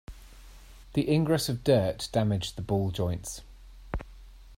The ingress of dirt damaged the ball joints.